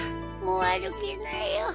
もう歩けないよ。